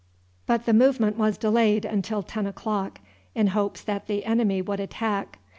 But the movement was delayed until ten o'clock in hopes that the enemy would attack.